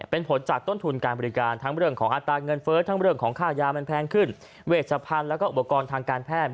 เป็นผลจากต้นทุนการบริการอัตราเงินเฟิร์สข้ายาแพงขึ้นเวชพันธุ์และอุปกรณ์ทางการแพทย์